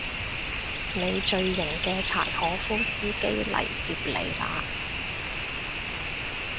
你最型嘅柴可夫司機嚟接你喇